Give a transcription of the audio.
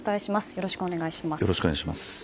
よろしくお願いします。